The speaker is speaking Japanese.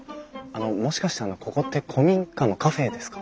あのもしかしてここって古民家のカフェですか？